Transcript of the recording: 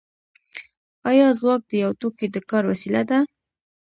آیا ځواک د یو توکي د کار وسیله ده